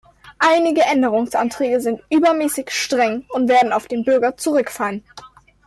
Einige Änderungsanträge sind übermäßig streng und werden auf den Bürger zurückfallen.